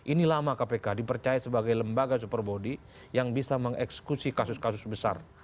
ini lama kpk dipercaya sebagai lembaga super body yang bisa mengeksekusi kasus kasus besar